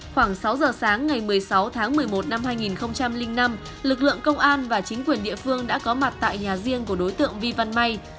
khoảng sáu giờ sáng ngày một mươi sáu tháng một mươi một năm hai nghìn năm lực lượng công an và chính quyền địa phương đã có mặt tại nhà riêng của đối tượng vi văn may